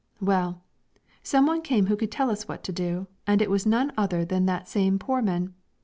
"Well, some one came who could tell us what to do, and it was none other than that same Poorman.